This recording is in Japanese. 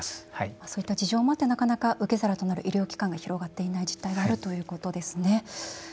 そういった事情もあってなかなか受け皿となる医療機関が広がっていない実態があるということですね。